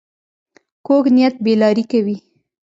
کوږ نیت بې لارې کوي